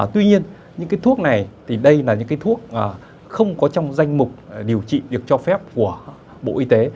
tuy nhiên những cái thuốc này thì đây là những cái thuốc không có trong danh mục điều trị việc cho phép của bộ y tế